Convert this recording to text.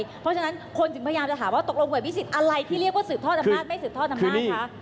เพราะฉะนั้นคนถึงพยายามจะถามว่าตกลงหวยพิสิทธิ์อะไรที่เรียกว่าสืบทอดอำนาจไม่สืบทอดอำนาจคะ